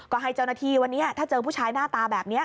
ก็ให้เจ้าหน้าที่วันนี้ถ้าเจอผู้ชายหน้าตาแบบนี้